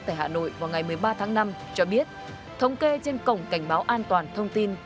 tại hà nội vào ngày một mươi ba tháng năm cho biết thống kê trên cổng cảnh báo an toàn thông tin